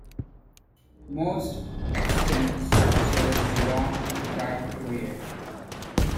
Most extant structures belong to that period.